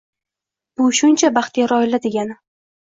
Bu shuncha baxtiyor oila degani.